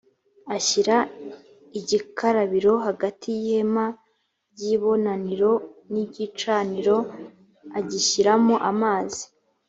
ashyira igikarabiro hagati y’ihema ry’ibonaniro n’igicaniro agishyiramo amazi